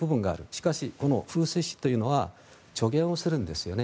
しかし、風水師というのは助言するんですよね。